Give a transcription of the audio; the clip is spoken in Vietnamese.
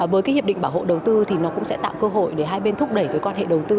với cái hiệp định bảo hộ đầu tư thì nó cũng sẽ tạo cơ hội để hai bên thúc đẩy cái quan hệ đầu tư